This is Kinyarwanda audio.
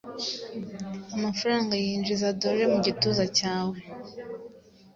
Amafaranga yinjiza Doremu gituza cyawe